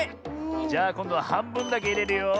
じゃあこんどははんぶんだけいれるよ。